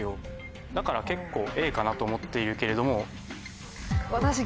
だから結構Ａかなと思っているけれども。